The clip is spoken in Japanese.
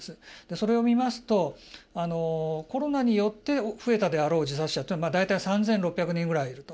それを見ますとコロナによって増えたであろう自殺者というのは大体３，６００人ぐらいいると。